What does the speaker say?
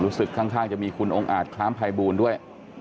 รู้สึกข้างจะมีคุณองอาจคล้ามภายบูรณ์ด้วย